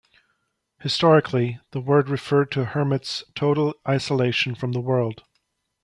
Historically, the word referred to a hermit's total isolation from the world.